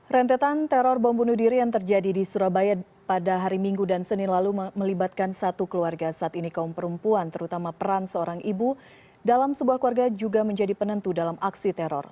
rentetan teror bom bunuh diri yang terjadi di surabaya pada hari minggu dan senin lalu melibatkan satu keluarga saat ini kaum perempuan terutama peran seorang ibu dalam sebuah keluarga juga menjadi penentu dalam aksi teror